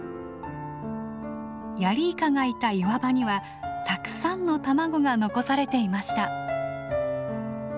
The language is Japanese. ヤリイカがいた岩場にはたくさんの卵が残されていました。